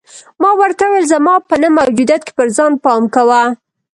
ما ورته وویل: زما په نه موجودیت کې پر ځان پام کوه.